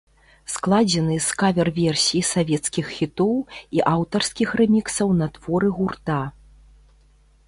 Складзены з кавер-версій савецкіх хітоў і аўтарскіх рэміксаў на творы гурта.